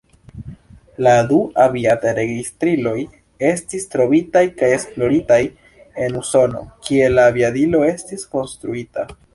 La du aviad-registriloj estis trovitaj kaj esploritaj en Usono, kie la aviadilo estis konstruita.